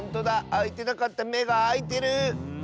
あいてなかっためがあいてる！